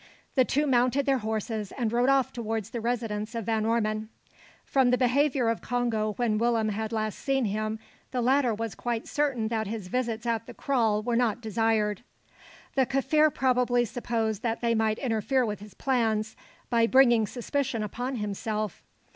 The two mounted their horses and rode off towards the residence of Van Ormon. From the behaviour of Congo when Willem had last seen him, the latter was quite certain that his visits at the kraal were not desired. The Kaffir probably supposed that they might interfere with his plans, by bringing suspicion upon himself.